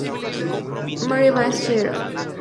Mary va a la Sra.